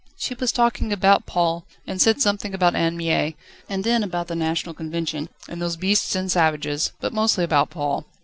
She was talking about Paul, and said something about Anne Mie, and then about the National Convention, and those beasts and savages, but mostly about Paul.